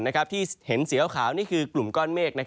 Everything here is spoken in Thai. ที่เห็นสีขาวนี่คือกลุ่มก้อนเมฆ